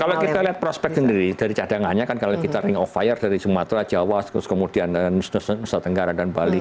kalau kita lihat prospek sendiri dari cadangannya kan kalau kita ring of fire dari sumatera jawa terus kemudian nusa tenggara dan bali